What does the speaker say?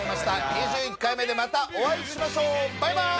２１回目でまたお会いしましょうバイバイ！